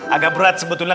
agak berat sebetulnya